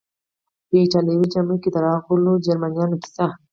په ایټالوي جامو کې د راغلو جرمنیانو کیسه.